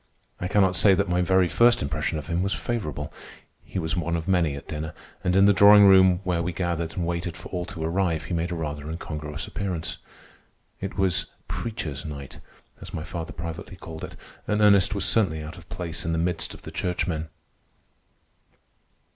I cannot say that my very first impression of him was favorable. He was one of many at dinner, and in the drawing room where we gathered and waited for all to arrive, he made a rather incongruous appearance. It was "preacher's night," as my father privately called it, and Ernest was certainly out of place in the midst of the churchmen.